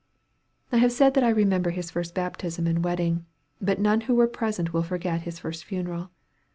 I have said that I remember his first baptism and wedding; but none who were present will forget his first funeral.